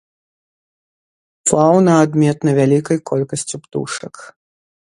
Фаўна адметна вялікай колькасцю птушак.